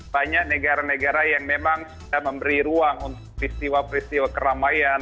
banyak negara negara yang memang sudah memberi ruang untuk peristiwa peristiwa keramaian